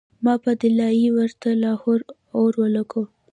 ما پۀ “دلائي” ورته لاهور او لګوو